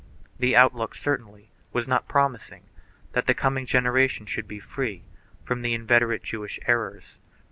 2 The outlook, certainly, was not promising that the coming generation should be free from the inveterate Jewish errors.